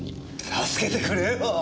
助けてくれよ。